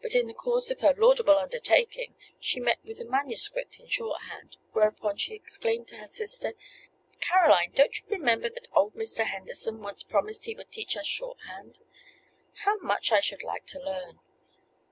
But in the course of her laudable undertaking, she met with a manuscript in shorthand; whereupon she exclaimed to her sister, "Caroline, don't you remember that old Mr. Henderson once promised he would teach us shorthand? How much I should like to learn!